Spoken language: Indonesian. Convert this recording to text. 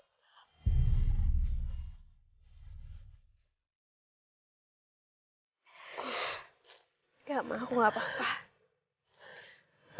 tidak mama aku tidak apa apa